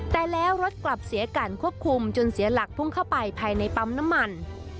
แต่แล้วรถกลับเสียการควบคุมจนเสียหลักพุ่งเข้าไปภายในปั๊มน้ำมัน